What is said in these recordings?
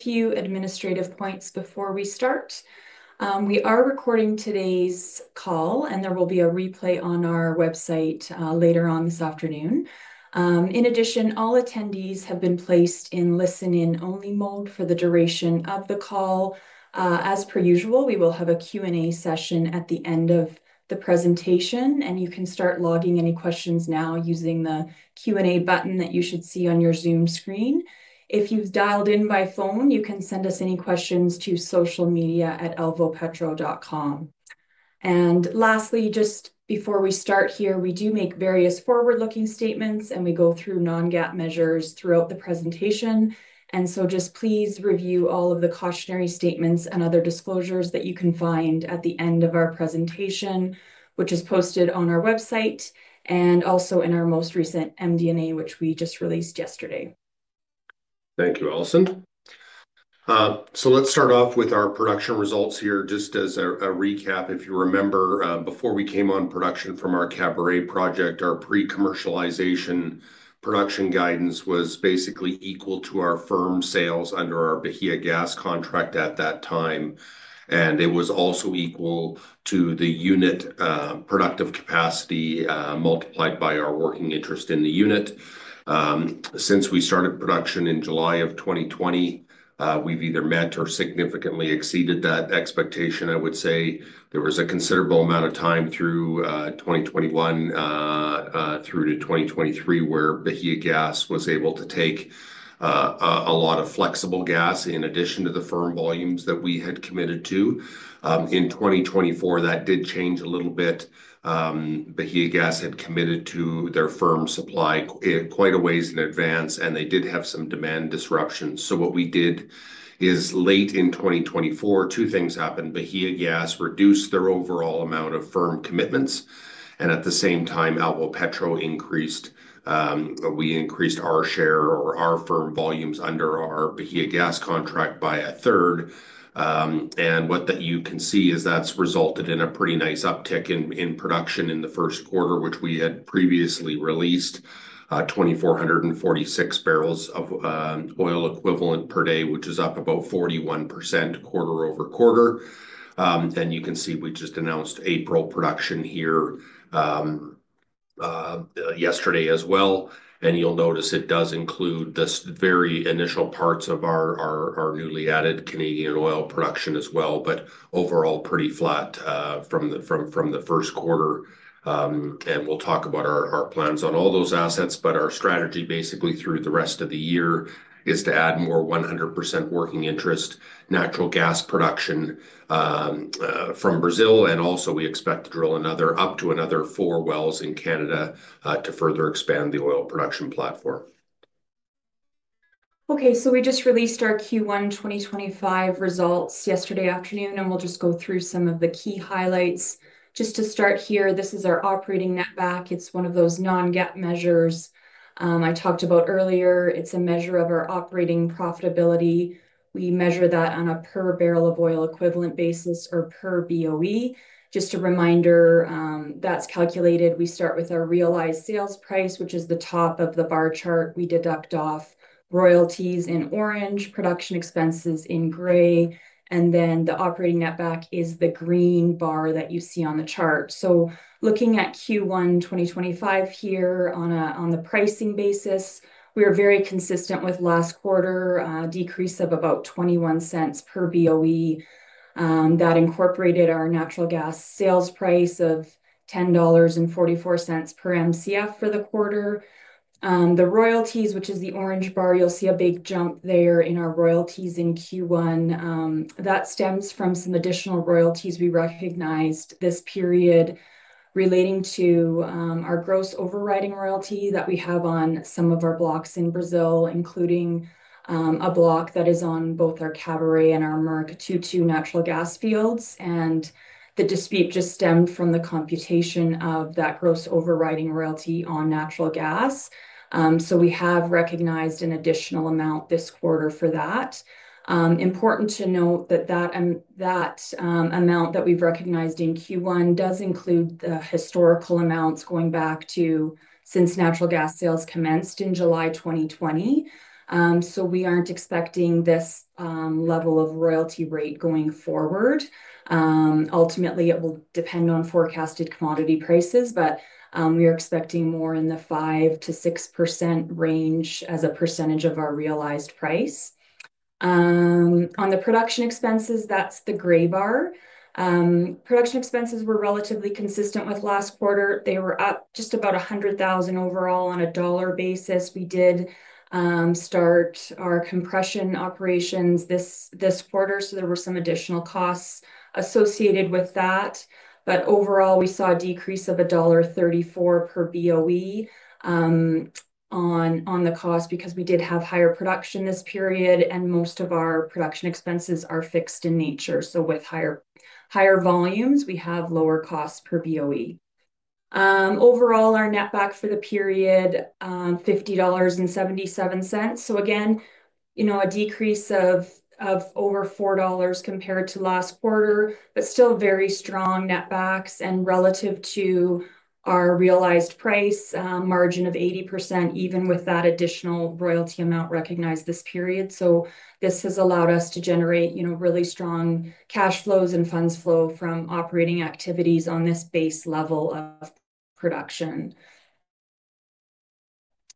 Few administrative points before we start. We are recording today's call, and there will be a replay on our website later on this afternoon. In addition, all attendees have been placed in listen-in-only mode for the duration of the call. As per usual, we will have a Q&A session at the end of the presentation, and you can start logging any questions now using the Q&A button that you should see on your Zoom screen. If you've dialed in by phone, you can send us any questions to socialmedia@alvopetro.com. Lastly, just before we start here, we do make various forward-looking statements, and we go through non-GAAP measures throughout the presentation. Please review all of the cautionary statements and other disclosures that you can find at the end of our presentation, which is posted on our website and also in our most recent MD&A, which we just released yesterday. Thank you, Alison. Let's start off with our production results here. Just as a recap, if you remember, before we came on production from our Caburé project, our pre-commercialization production guidance was basically equal to our firm sales under our Bahia Gas contract at that time. It was also equal to the unit productive capacity multiplied by our working interest in the unit. Since we started production in July of 2020, we've either met or significantly exceeded that expectation. I would say there was a considerable amount of time through 2021 through to 2023 where Bahia Gas was able to take a lot of flexible gas in addition to the firm volumes that we had committed to. In 2024, that did change a little bit. Bahia Gas had committed to their firm supply quite a ways in advance, and they did have some demand disruptions. What we did is late in 2024, two things happened. Bahia Gas reduced their overall amount of firm commitments, and at the same time, Alvopetro increased. We increased our share or our firm volumes under our Bahia Gas contract by a third. You can see that has resulted in a pretty nice uptick in production in the first quarter, which we had previously released, 2,446 barrels of oil equivalent per day, which is up about 41% quarter over quarter. You can see we just announced April production here yesterday as well. You will notice it does include the very initial parts of our newly added Canadian oil production as well, but overall pretty flat from the first quarter. We will talk about our plans on all those assets, but our strategy basically through the rest of the year is to add more 100% working interest natural gas production from Brazil. We also expect to drill up to another four wells in Canada to further expand the oil production platform. Okay. So we just released our Q1 2025 results yesterday afternoon, and we'll just go through some of the key highlights. Just to start here, this is our operating netback. It's one of those non-GAAP measures I talked about earlier. It's a measure of our operating profitability. We measure that on a per barrel of oil equivalent basis or per BOE. Just a reminder, that's calculated. We start with our realized sales price, which is the top of the bar chart. We deduct off royalties in orange, production expenses in gray, and then the operating netback is the green bar that you see on the chart. Looking at Q1 2025 here on the pricing basis, we are very consistent with last quarter, decrease of about $0.21 per BOE. That incorporated our natural gas sales price of $10.44 per MCF for the quarter. The royalties, which is the orange bar, you'll see a big jump there in our royalties in Q1. That stems from some additional royalties we recognized this period relating to our gross overriding royalty that we have on some of our blocks in Brazil, including a block that is on both our Caburé and our Merc 22 natural gas fields. The dispute just stemmed from the computation of that gross overriding royalty on natural gas. We have recognized an additional amount this quarter for that. Important to note that that amount that we've recognized in Q1 does include the historical amounts going back to since natural gas sales commenced in July 2020. We aren't expecting this level of royalty rate going forward. Ultimately, it will depend on forecasted commodity prices, but we are expecting more in the 5-6% range as a percentage of our realized price. On the production expenses, that's the gray bar. Production expenses were relatively consistent with last quarter. They were up just about $100,000 overall on a dollar basis. We did start our compression operations this quarter, so there were some additional costs associated with that. Overall, we saw a decrease of $1.34 per BOE on the cost because we did have higher production this period, and most of our production expenses are fixed in nature. With higher volumes, we have lower costs per BOE. Overall, our netback for the period, $50.77. Again, a decrease of over $4 compared to last quarter, but still very strong net backs and relative to our realized price, margin of 80%, even with that additional royalty amount recognized this period. This has allowed us to generate really strong cash flows and funds flow from operating activities on this base level of production.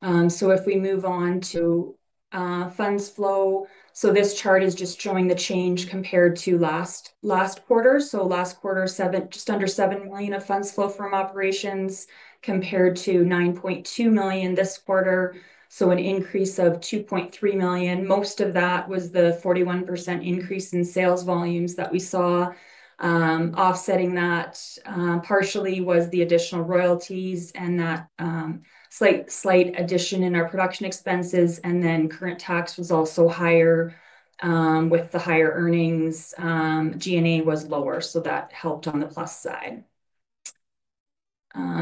If we move on to funds flow, this chart is just showing the change compared to last quarter. Last quarter, just under U.S. $7 million of funds flow from operations compared to U.S. $9.2 million this quarter. An increase of $2.3 million. Most of that was the 41% increase in sales volumes that we saw. Offsetting that partially was the additional royalties and that slight addition in our production expenses. Current tax was also higher with the higher earnings. G&A was lower, so that helped on the plus side.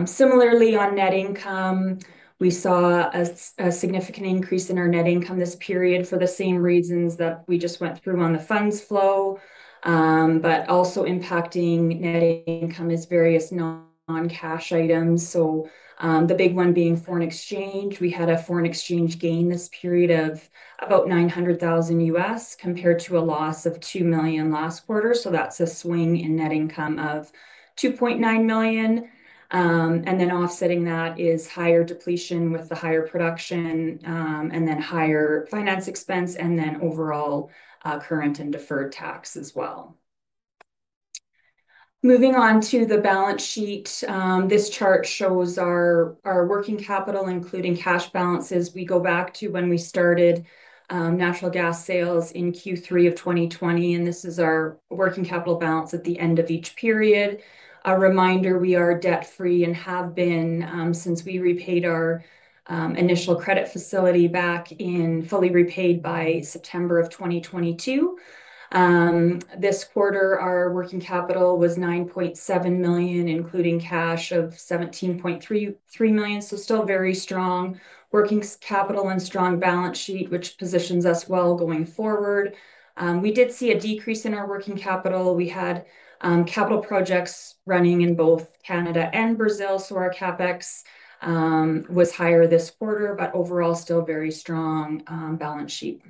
Similarly, on net income, we saw a significant increase in our net income this period for the same reasons that we just went through on the funds flow, but also impacting net income is various non-cash items. The big one being foreign exchange. We had a foreign exchange gain this period of about $900,000 compared to a loss of $2 million last quarter. That is a swing in net income of $2.9 million. Offsetting that is higher depletion with the higher production and then higher finance expense and then overall current and deferred tax as well. Moving on to the balance sheet, this chart shows our working capital, including cash balances. We go back to when we started natural gas sales in Q3 of 2020, and this is our working capital balance at the end of each period. A reminder, we are debt-free and have been since we repaid our initial credit facility back in fully repaid by September of 2022. This quarter, our working capital was $9.7 million, including cash of $17.3 million. Still very strong working capital and strong balance sheet, which positions us well going forward. We did see a decrease in our working capital. We had capital projects running in both Canada and Brazil, so our CapEx was higher this quarter, but overall still very strong balance sheet.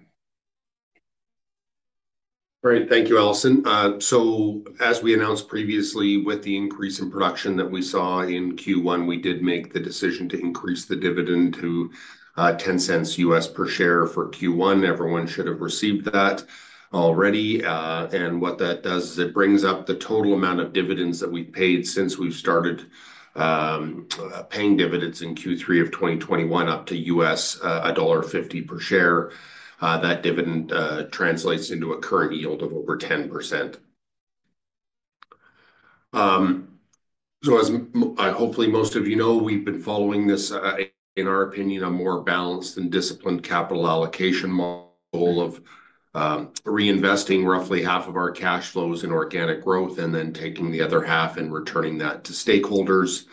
Great. Thank you, Alison. As we announced previously, with the increase in production that we saw in Q1, we did make the decision to increase the dividend to U.S. $0.10 per share for Q1. Everyone should have received that already. What that does is it brings up the total amount of dividends that we've paid since we started paying dividends in Q3 of 2021 up to $1.50 per share. That dividend translates into a current yield of over 10%. As hopefully most of you know who have been following this, in our opinion, a more balanced and disciplined capital allocation model of reinvesting roughly half of our cash flows in organic growth and then taking the other half and returning that to stakeholders.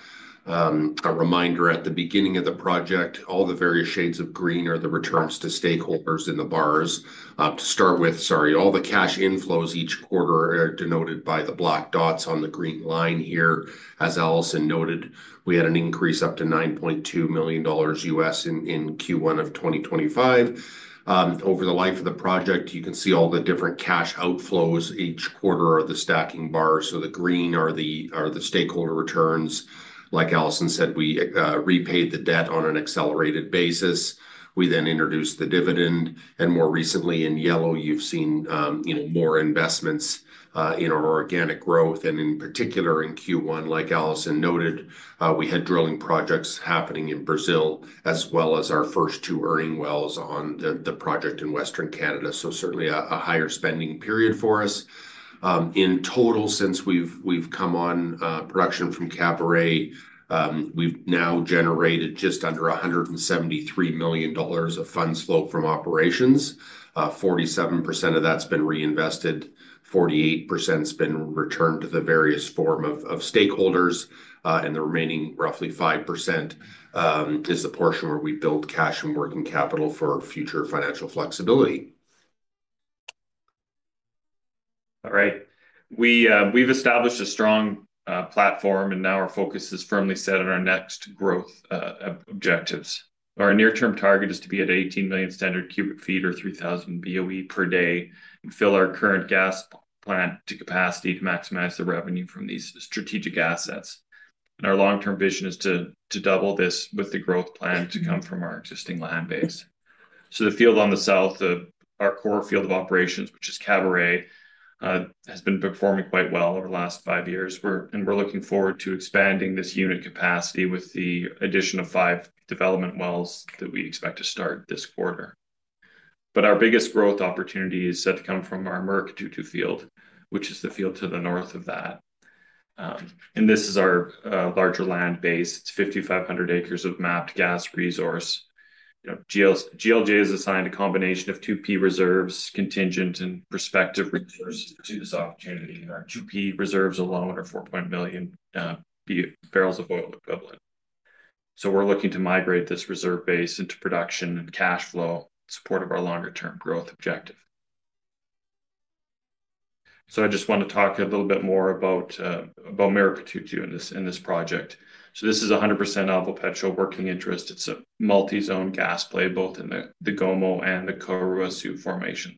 A reminder at the beginning of the project, all the various shades of green are the returns to stakeholders in the bars. To start with, sorry, all the cash inflows each quarter are denoted by the black dots on the green line here. As Alison noted, we had an increase up to U.S. $9.2 million in Q1 of 2025. Over the life of the project, you can see all the different cash outflows each quarter are the stacking bars. The green are the stakeholder returns. Like Alison said, we repaid the debt on an accelerated basis. We then introduced the dividend. More recently, in yellow, you have seen more investments in our organic growth. In particular, in Q1, like Alison noted, we had drilling projects happening in Brazil as well as our first two earning wells on the project in Western Canada. Certainly a higher spending period for us. In total, since we've come on production from Caburé, we've now generated just under $173 million of funds flow from operations. 47% of that's been reinvested. 48% has been returned to the various form of stakeholders. The remaining roughly 5% is the portion where we build cash and working capital for future financial flexibility. All right. We've established a strong platform, and now our focus is firmly set on our next growth objectives. Our near-term target is to be at 18 million standard cubic feet or 3,000 BOE per day and fill our current gas plant to capacity to maximize the revenue from these strategic assets. Our long-term vision is to double this with the growth plan to come from our existing land base. The field on the south of our core field of operations, which is Caburé, has been performing quite well over the last five years. We're looking forward to expanding this unit capacity with the addition of five development wells that we expect to start this quarter. Our biggest growth opportunity is set to come from our Merc 22 field, which is the field to the north of that. This is our larger land base. It is 5,500 acres of mapped gas resource. GLJ has assigned a combination of 2P reserves, contingent, and prospective resources to this opportunity. Our 2P reserves alone are 4.1 million barrels of oil equivalent. We're looking to migrate this reserve base into production and cash flow in support of our longer-term growth objective. I just want to talk a little bit more about Merc 22 in this project. This is 100% Alvopetro working interest. It's a multi-zone gas play both in the Gomo and the Caruaçu Formation.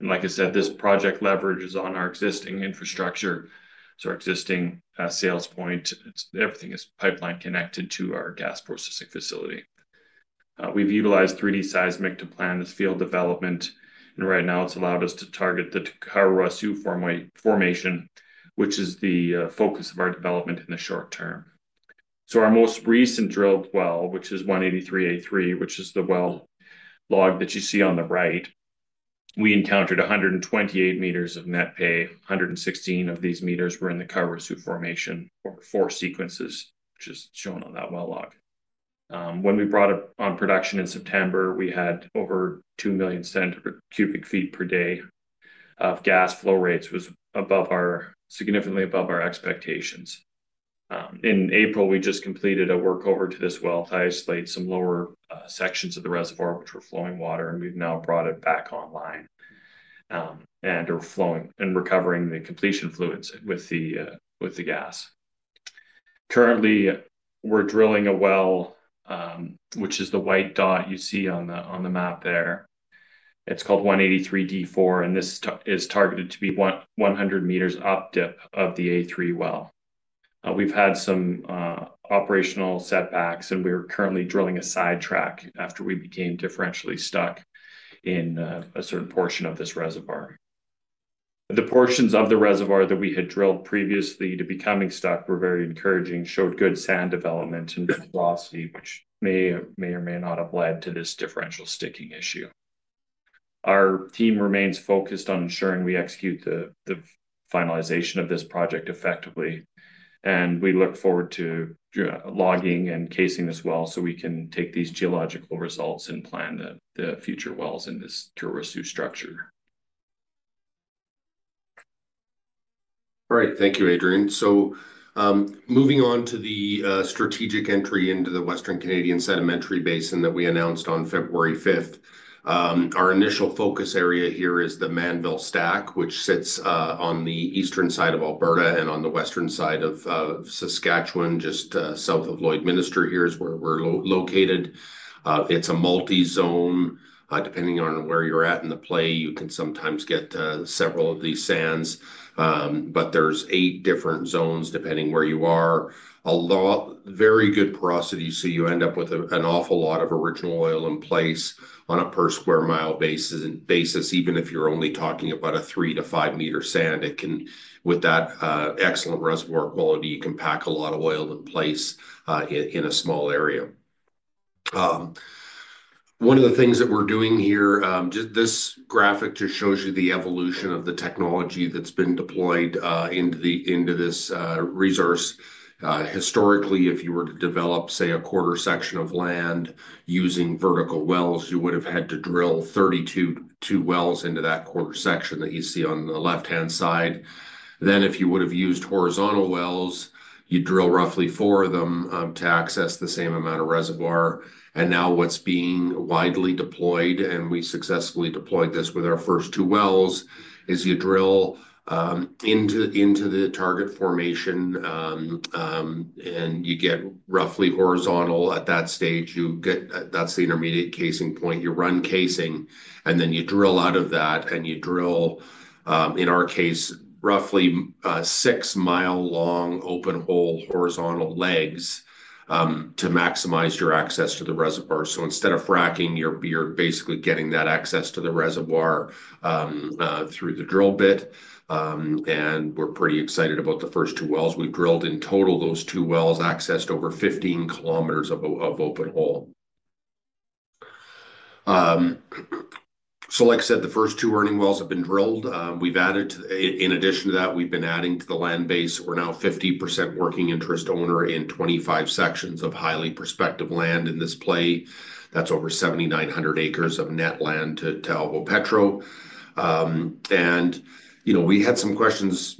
Like I said, this project leverages on our existing infrastructure. Our existing sales point, everything is pipeline connected to our gas processing facility. We've utilized 3D seismic to plan this field development. Right now, it's allowed us to target the Caruaçu Formation, which is the focus of our development in the short term. Our most recent drilled well, which is 183-A3, which is the well log that you see on the right, we encountered 128 meters of net pay. 116 of these meters were in the Caruaçu Formation or four sequences, which is shown on that well log. When we brought it on production in September, we had over 2 million standard cubic feet per day of gas flow rates, which was significantly above our expectations. In April, we just completed a workover to this well to isolate some lower sections of the reservoir, which were flowing water, and we've now brought it back online and recovering the completion fluids with the gas. Currently, we're drilling a well, which is the white dot you see on the map there. It's called 183-D4, and this is targeted to be 100 meters up dip of the A3 well. We've had some operational setbacks, and we are currently drilling a side track after we became differentially stuck in a certain portion of this reservoir. The portions of the reservoir that we had drilled previously to becoming stuck were very encouraging, showed good sand development and velocity, which may or may not have led to this differential sticking issue. Our team remains focused on ensuring we execute the finalization of this project effectively. We look forward to logging and casing this well so we can take these geological results and plan the future wells in this Caruaçu structure. All right. Thank you, Adrian. Moving on to the strategic entry into the Western Canadian Sedimentary Basin that we announced on February 5th, our initial focus area here is the Manville Stack, which sits on the eastern side of Alberta and on the western side of Saskatchewan, just south of Lloydminster here is where we're located. It's a multi-zone. Depending on where you're at in the play, you can sometimes get several of these sands, but there's eight different zones depending where you are. A lot of very good porosity. You end up with an awful lot of original oil in place on a per square mile basis. Even if you're only talking about a three to five meter sand, with that excellent reservoir quality, you can pack a lot of oil in place in a small area. One of the things that we're doing here, this graphic just shows you the evolution of the technology that's been deployed into this resource. Historically, if you were to develop, say, a quarter section of land using vertical wells, you would have had to drill 32 wells into that quarter section that you see on the left-hand side. If you would have used horizontal wells, you'd drill roughly four of them to access the same amount of reservoir. What's being widely deployed now, and we successfully deployed this with our first two wells, is you drill into the target formation and you get roughly horizontal at that stage. That's the intermediate casing point. You run casing, and then you drill out of that, and you drill, in our case, roughly six-mile-long open hole horizontal legs to maximize your access to the reservoir. Instead of fracking, you're basically getting that access to the reservoir through the drill bit. We're pretty excited about the first two wells. We've drilled in total those two wells, accessed over 15 kilometers of open hole. Like I said, the first two earning wells have been drilled. In addition to that, we've been adding to the land base. We're now 50% working interest owner in 25 sections of highly prospective land in this play. That's over 7,900 acres of net land to Alvopetro. We had some questions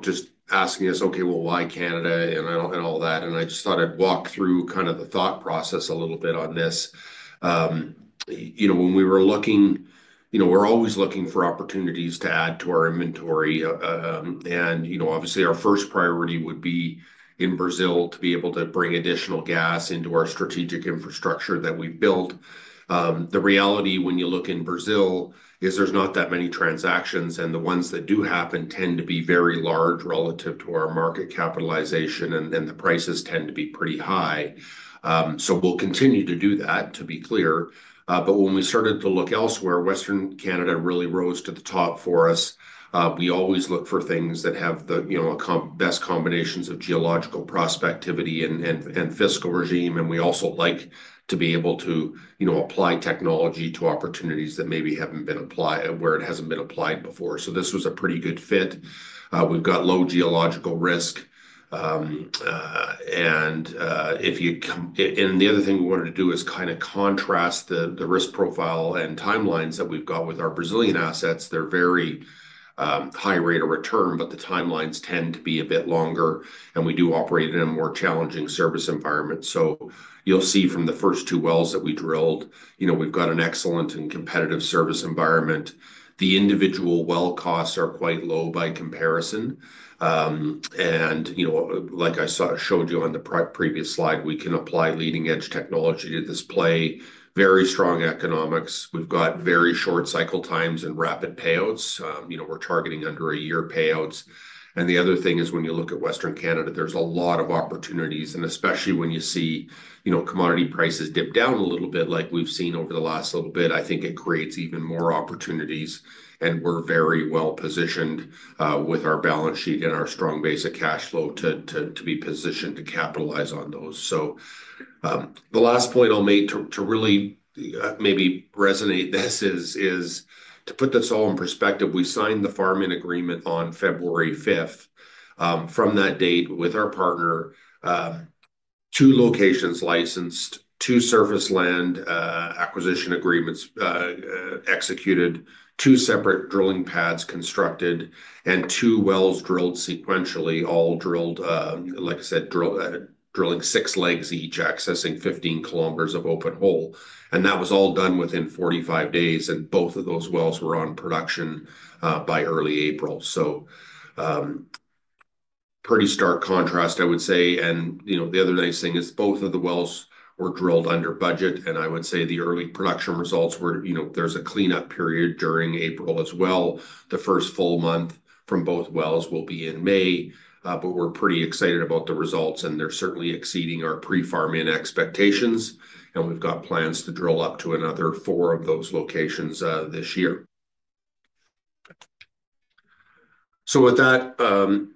just asking us, "Okay, well, why Canada?" and all that. I just thought I'd walk through kind of the thought process a little bit on this. When we were looking, we're always looking for opportunities to add to our inventory. Obviously, our first priority would be in Brazil to be able to bring additional gas into our strategic infrastructure that we've built. The reality, when you look in Brazil, is there's not that many transactions, and the ones that do happen tend to be very large relative to our market capitalization, and the prices tend to be pretty high. We will continue to do that, to be clear. When we started to look elsewhere, Western Canada really rose to the top for us. We always look for things that have the best combinations of geological prospectivity and fiscal regime. We also like to be able to apply technology to opportunities that maybe have not been applied where it has not been applied before. This was a pretty good fit. We've got low geological risk. The other thing we wanted to do is kind of contrast the risk profile and timelines that we've got with our Brazilian assets. They're very high rate of return, but the timelines tend to be a bit longer, and we do operate in a more challenging service environment. You'll see from the first two wells that we drilled, we've got an excellent and competitive service environment. The individual well costs are quite low by comparison. Like I showed you on the previous slide, we can apply leading-edge technology to this play. Very strong economics. We have very short cycle times and rapid payouts. We are targeting under a year payouts. The other thing is when you look at Western Canada, there are a lot of opportunities. Especially when you see commodity prices dip down a little bit like we have seen over the last little bit, I think it creates even more opportunities. We are very well positioned with our balance sheet and our strong base of cash flow to be positioned to capitalize on those. The last point I will make to really maybe resonate this is to put this all in perspective. We signed the farming agreement on February 5th. From that date, with our partner, two locations licensed, two surface land acquisition agreements executed, two separate drilling pads constructed, and two wells drilled sequentially, all drilled, like I said, drilling six legs each, accessing 15 km of open hole. That was all done within 45 days. Both of those wells were on production by early April. Pretty stark contrast, I would say. The other nice thing is both of the wells were drilled under budget. I would say the early production results were, there's a cleanup period during April as well. The first full month from both wells will be in May. We're pretty excited about the results, and they're certainly exceeding our pre-farming expectations. We've got plans to drill up to another four of those locations this year. With that,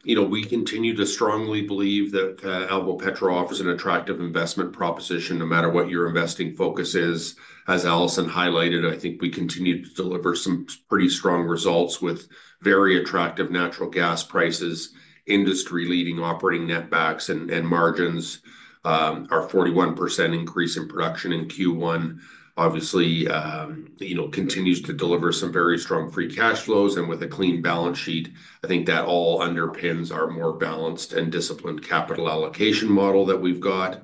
we continue to strongly believe that Alvopetro offers an attractive investment proposition no matter what your investing focus is. As Alison highlighted, I think we continue to deliver some pretty strong results with very attractive natural gas prices, industry-leading operating netbacks and margins. Our 41% increase in production in Q1 obviously continues to deliver some very strong free cash flows. With a clean balance sheet, I think that all underpins our more balanced and disciplined capital allocation model that we've got.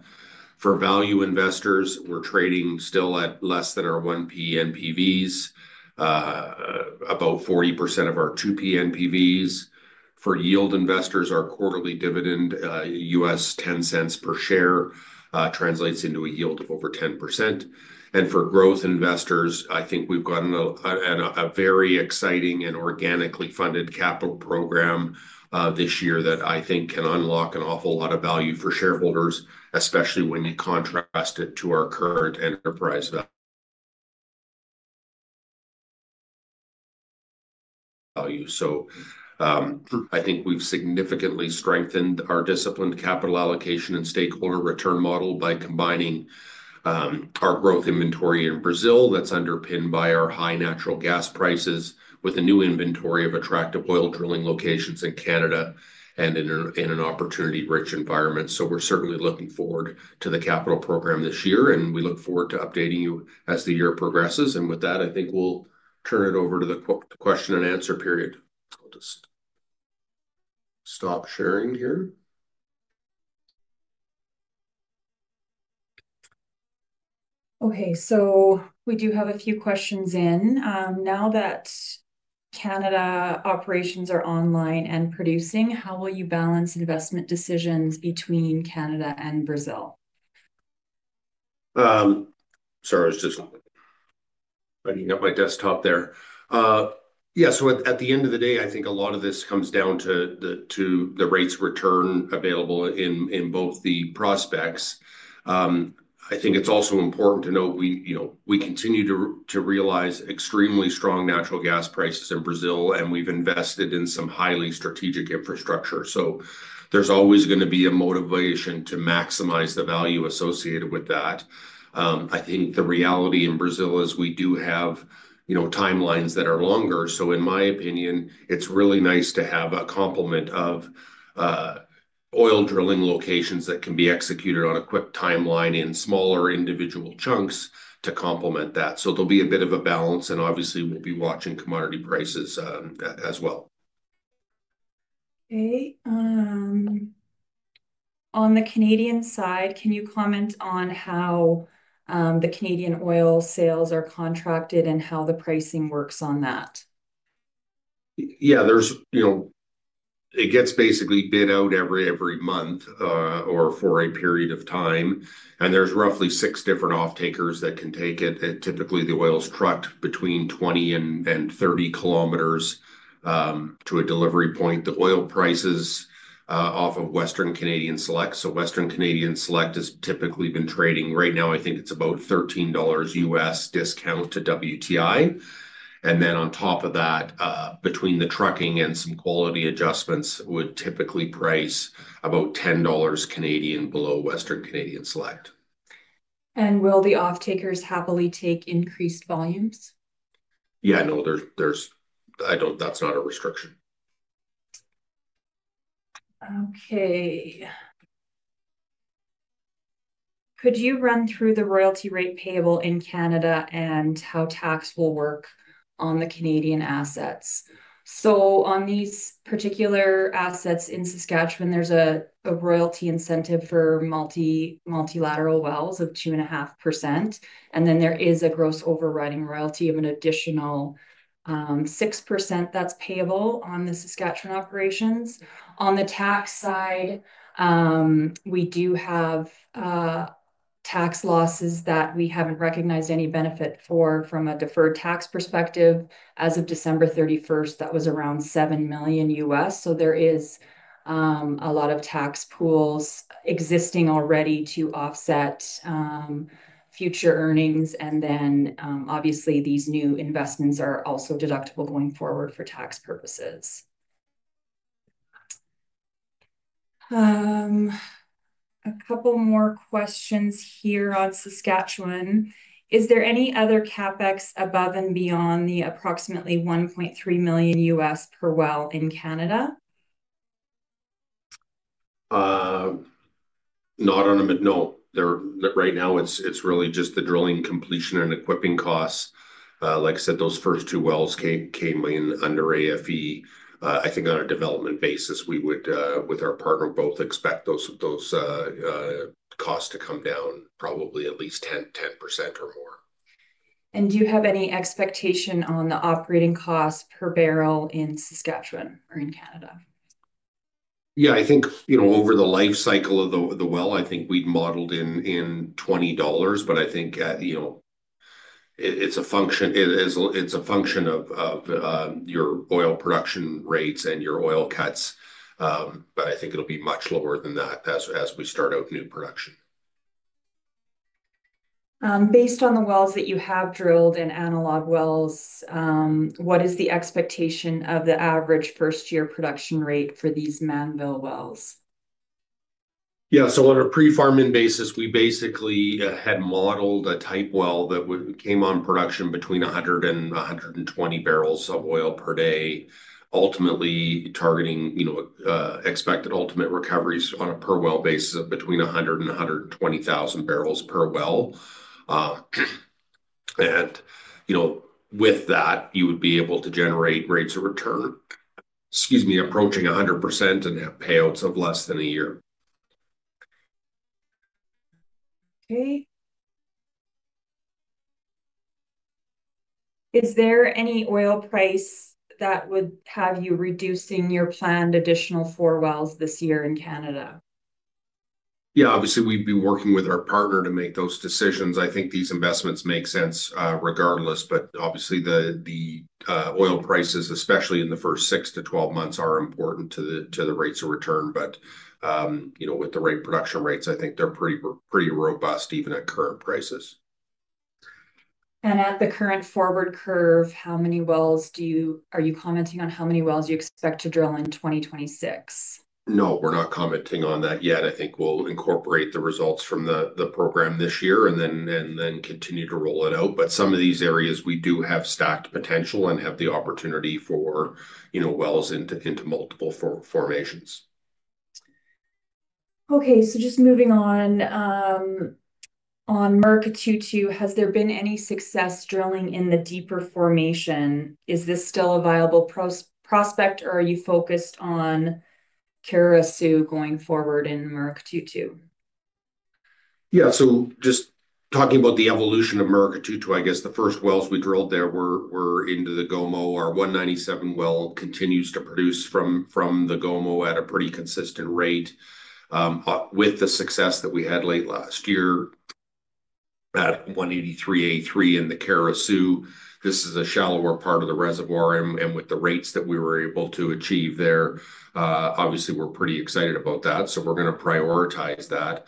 For value investors, we're trading still at less than our 1P NPVs, about 40% of our 2P NPVs. For yield investors, our quarterly dividend, U.S. $0.10 per share, translates into a yield of over 10%. For growth investors, I think we've got a very exciting and organically funded capital program this year that I think can unlock an awful lot of value for shareholders, especially when you contrast it to our current enterprise value. I think we've significantly strengthened our disciplined capital allocation and stakeholder return model by combining our growth inventory in Brazil that's underpinned by our high natural gas prices with a new inventory of attractive oil drilling locations in Canada and in an opportunity-rich environment. We are certainly looking forward to the capital program this year, and we look forward to updating you as the year progresses. With that, I think we'll turn it over to the question and answer period. I'll just stop sharing here. Okay. So we do have a few questions in. Now that Canada operations are online and producing, how will you balance investment decisions between Canada and Brazil? Sorry, I was just looking at my desktop there. Yeah. At the end of the day, I think a lot of this comes down to the rates of return available in both the prospects. I think it's also important to note we continue to realize extremely strong natural gas prices in Brazil, and we've invested in some highly strategic infrastructure. There's always going to be a motivation to maximize the value associated with that. I think the reality in Brazil is we do have timelines that are longer. In my opinion, it's really nice to have a complement of oil drilling locations that can be executed on a quick timeline in smaller individual chunks to complement that. There'll be a bit of a balance, and obviously, we'll be watching commodity prices as well. Okay. On the Canadian side, can you comment on how the Canadian oil sales are contracted and how the pricing works on that? Yeah. It gets basically bid out every month or for a period of time. There are roughly six different off-takers that can take it. Typically, the oil is trucked between 20-30 km to a delivery point. The oil prices off of Western Canadian Select. Western Canadian Select has typically been trading right now, I think it's about U.S. $13 discount to WTI. On top of that, between the trucking and some quality adjustments, it would typically price about C$10 below Western Canadian Select. Will the off-takers happily take increased volumes? Yeah. No, that's not a restriction. Okay. Could you run through the royalty rate payable in Canada and how tax will work on the Canadian assets? On these particular assets in Saskatchewan, there's a royalty incentive for multilateral wells of 2.5%. There is a gross overriding royalty of an additional 6% that's payable on the Saskatchewan operations. On the tax side, we do have tax losses that we haven't recognized any benefit for from a deferred tax perspective. As of December 31, that was around U.S. $7 million. There is a lot of tax pools existing already to offset future earnings. Obviously, these new investments are also deductible going forward for tax purposes. A couple more questions here on Saskatchewan. Is there any other CapEx above and beyond the approximately $1.3 million per well in Canada? Not on a no. Right now, it's really just the drilling, completion, and equipping costs. Like I said, those first two wells came in under AFE. I think on a development basis, we would, with our partner, both expect those costs to come down probably at least 10% or more. Do you have any expectation on the operating cost per barrel in Saskatchewan or in Canada? Yeah. I think over the life cycle of the well, I think we'd modeled in $20. I think it's a function of your oil production rates and your oil cuts. I think it'll be much lower than that as we start out new production. Based on the wells that you have drilled and analog wells, what is the expectation of the average first-year production rate for these Manville wells? Yeah. On a pre-farming basis, we basically had modeled a type well that came on production between 100 and 120 barrels of oil per day, ultimately targeting expected ultimate recoveries on a per well basis of between 100,000 and 120,000 barrels per well. With that, you would be able to generate rates of return, excuse me, approaching 100% and have payouts of less than a year. Okay. Is there any oil price that would have you reducing your planned additional four wells this year in Canada? Yeah. Obviously, we'd be working with our partner to make those decisions. I think these investments make sense regardless. Obviously, the oil prices, especially in the first 6-12 months, are important to the rates of return. With the production rates, I think they're pretty robust even at current prices. At the current forward curve, are you commenting on how many wells you expect to drill in 2026? No, we're not commenting on that yet. I think we'll incorporate the results from the program this year and then continue to roll it out. Some of these areas, we do have stacked potential and have the opportunity for wells into multiple formations. Okay. So just moving on. On Merc 22, has there been any success drilling in the deeper formation? Is this still a viable prospect, or are you focused on Caruaçu going forward in Merc 22? Yeah. Just talking about the evolution of Merc 22, I guess the first wells we drilled there were into the Gomo. Our 197 well continues to produce from the Gomo at a pretty consistent rate with the success that we had late last year at 183-A3 and the Caruaçu. This is a shallower part of the reservoir. With the rates that we were able to achieve there, obviously, we're pretty excited about that. We're going to prioritize that.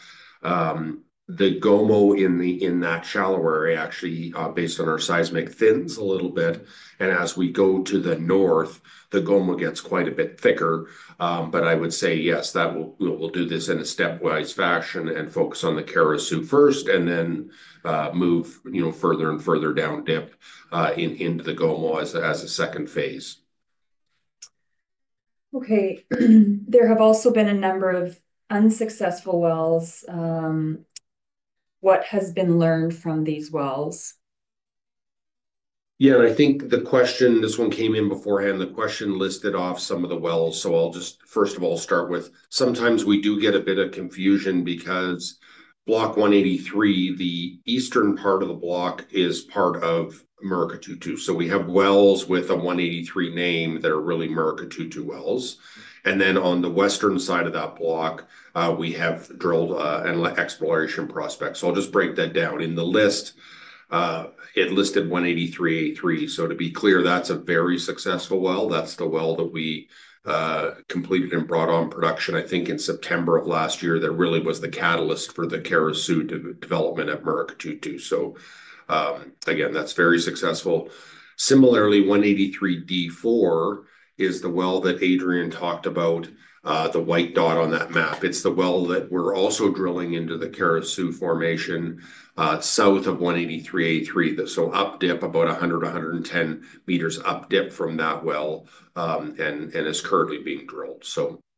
The Gomo in that shallower area actually, based on our seismic, thins a little bit. As we go to the north, the Gomo gets quite a bit thicker. I would say, yes, that we'll do this in a stepwise fashion and focus on the Caruaçu first and then move further and further down dip into the Gomo as a second phase. Okay. There have also been a number of unsuccessful wells. What has been learned from these wells? Yeah. I think the question, this one came in beforehand. The question listed off some of the wells. I'll just, first of all, start with sometimes we do get a bit of confusion because block 183, the eastern part of the block is part of Merc 22. We have wells with a 183 name that are really Merc 22 wells. On the western side of that block, we have drilled and exploration prospects. I'll just break that down. In the list, it listed 183-A3. To be clear, that's a very successful well. That's the well that we completed and brought on production, I think, in September of last year that really was the catalyst for the Caruaçu development at Merc 22. Again, that's very successful. Similarly, 183-D4 is the well that Adrian talked about, the white dot on that map. It's the well that we're also drilling into the Caruaçu formation south of 183-A3. Up dip, about 100-110 meters up dip from that well and is currently being drilled.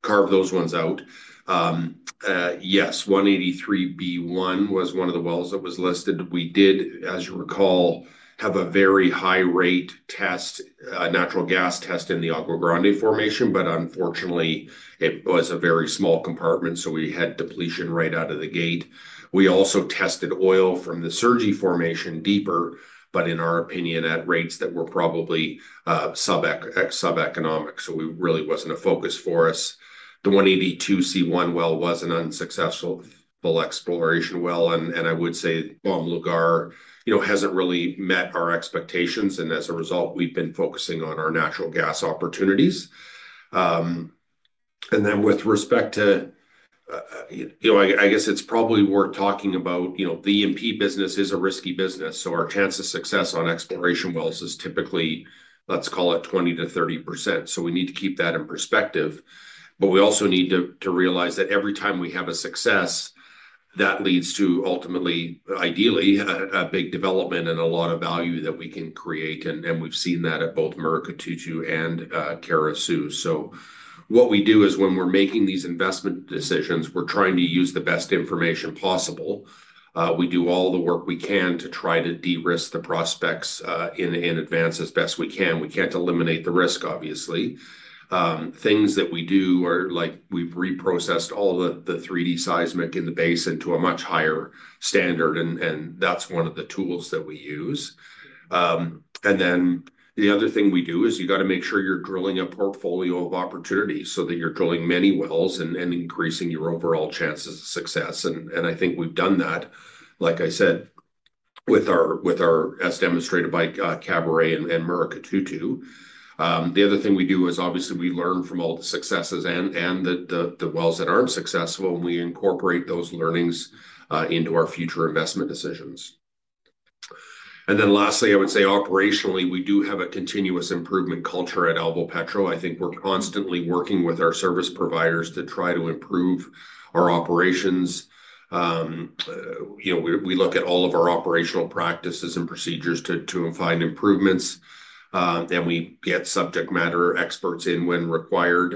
Carve those ones out. Yes. 183-B1 was one of the wells that was listed. We did, as you recall, have a very high-rate natural gas test in the Água Grande Formation. Unfortunately, it was a very small compartment. We had depletion right out of the gate. We also tested oil from the Sergi formation deeper, but in our opinion, at rates that were probably sub-economic. It really wasn't a focus for us. The 182-C1 well was an unsuccessful exploration well. I would say Bom Gar hasn't really met our expectations. As a result, we've been focusing on our natural gas opportunities. With respect to, I guess it's probably worth talking about, the E&P business is a risky business. Our chance of success on exploration wells is typically, let's call it 20-30%. We need to keep that in perspective. We also need to realize that every time we have a success, that leads to ultimately, ideally, a big development and a lot of value that we can create. We've seen that at both Merc 22 and Caruaçu. What we do is when we're making these investment decisions, we're trying to use the best information possible. We do all the work we can to try to de-risk the prospects in advance as best we can. We can't eliminate the risk, obviously. Things that we do are like we've reprocessed all the 3D seismic in the basin into a much higher standard. That is one of the tools that we use. The other thing we do is you have to make sure you are drilling a portfolio of opportunities so that you are drilling many wells and increasing your overall chances of success. I think we have done that, like I said, as demonstrated by Caburé and Merc 22. The other thing we do is, obviously, we learn from all the successes and the wells that are not successful. We incorporate those learnings into our future investment decisions. Lastly, I would say operationally, we do have a continuous improvement culture at Alvopetro. I think we are constantly working with our service providers to try to improve our operations. We look at all of our operational practices and procedures to find improvements. We get subject matter experts in when required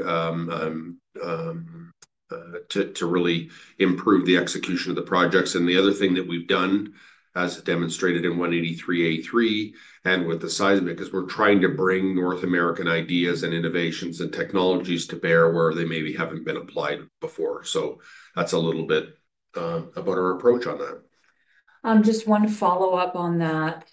to really improve the execution of the projects. The other thing that we've done, as demonstrated in 183-A3 and with the seismic, is we're trying to bring North American ideas and innovations and technologies to bear where they maybe haven't been applied before. That is a little bit about our approach on that. Just one follow-up on that.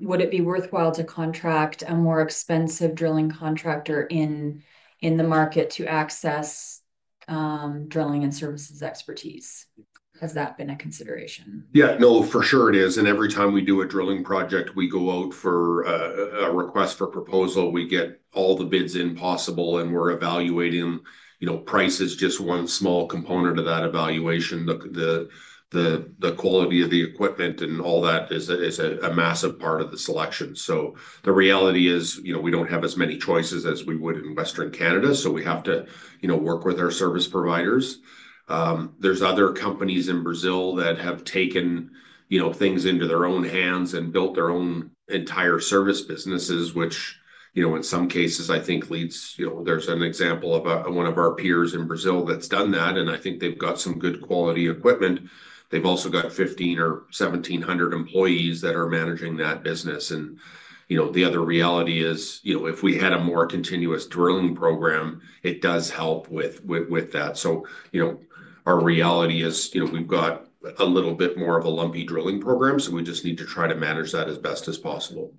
Would it be worthwhile to contract a more expensive drilling contractor in the market to access drilling and services expertise? Has that been a consideration? Yeah. No, for sure it is. Every time we do a drilling project, we go out for a request for proposal. We get all the bids in possible. We're evaluating price as just one small component of that evaluation. The quality of the equipment and all that is a massive part of the selection. The reality is we do not have as many choices as we would in Western Canada. We have to work with our service providers. There are other companies in Brazil that have taken things into their own hands and built their own entire service businesses, which in some cases, I think, leads—there is an example of one of our peers in Brazil that has done that. I think they have got some good quality equipment. They have also got 1,500 or 1,700 employees that are managing that business. The other reality is if we had a more continuous drilling program, it does help with that. Our reality is we've got a little bit more of a lumpy drilling program. We just need to try to manage that as best as possible.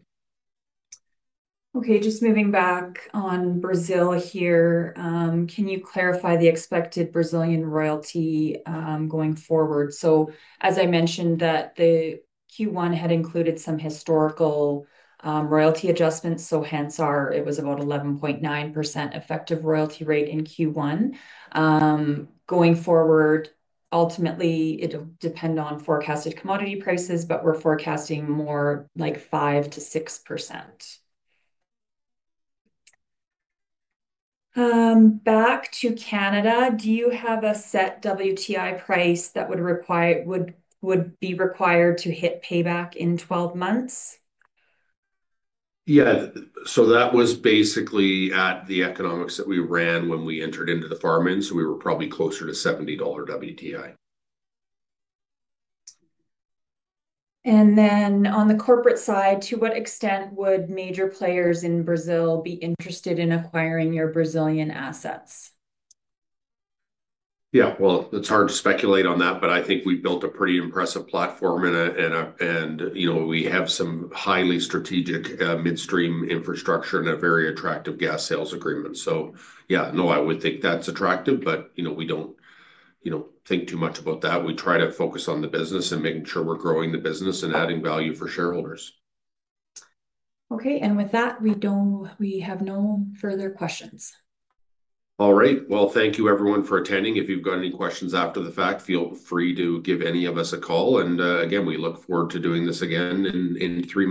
Okay. Just moving back on Brazil here. Can you clarify the expected Brazilian royalty going forward? As I mentioned, the Q1 had included some historical royalty adjustments. Hence, it was about 11.9% effective royalty rate in Q1. Going forward, ultimately, it'll depend on forecasted commodity prices, but we're forecasting more like 5-6%. Back to Canada, do you have a set WTI price that would be required to hit payback in 12 months? Yeah. So that was basically at the economics that we ran when we entered into the farm-in. So we were probably closer to U.S. $70 WTI. On the corporate side, to what extent would major players in Brazil be interested in acquiring your Brazilian assets? Yeah. It's hard to speculate on that, but I think we've built a pretty impressive platform. We have some highly strategic midstream infrastructure and a very attractive gas sales agreement. Yeah, I would think that's attractive. We do not think too much about that. We try to focus on the business and making sure we're growing the business and adding value for shareholders. Okay. With that, we have no further questions. All right. Thank you, everyone, for attending. If you've got any questions after the fact, feel free to give any of us a call. Again, we look forward to doing this again in three.